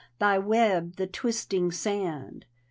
Thy web the twisting sand.